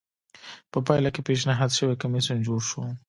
په پایله کې پېشنهاد شوی کمېسیون جوړ شو